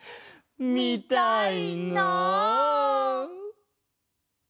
みたいな！